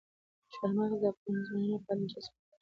چار مغز د افغان ځوانانو لپاره دلچسپي لري.